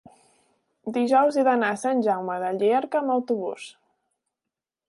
dijous he d'anar a Sant Jaume de Llierca amb autobús.